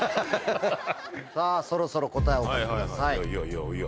さぁそろそろ答えをお書きください。